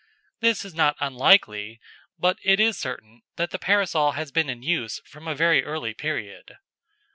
This is not unlikely, but it is certain that the Parasol has been in use from a very early period.